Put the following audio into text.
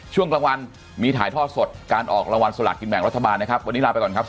ช่วงรางวัลมีถ่ายทอดสดการออกรางวัลสลัดกินแบ่งรัฐบาลนะครับ